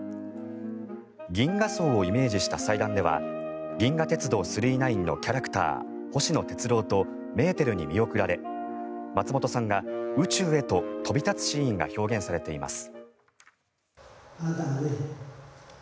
銀河葬をイメージした祭壇では「銀河鉄道９９９」のキャラクター星野鉄郎とメーテルに見送られ松本さんが宇宙へと飛び立つシーンが表現されています。